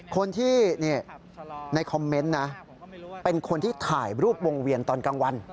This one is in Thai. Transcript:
คนที่ในคอมเมนต์นะเป็นคนที่ถ่ายรูปวงเวียนตอนกลางวัน